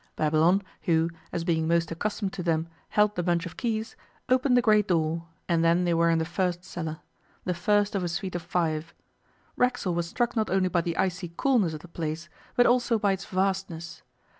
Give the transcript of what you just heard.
Babylon, who, as being most accustomed to them, held the bunch of keys, opened the great door, and then they were in the first cellar the first of a suite of five. Racksole was struck not only by the icy coolness of the place, but also by its vastness.